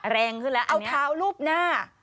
แรงขึ้นแล้วอันนี้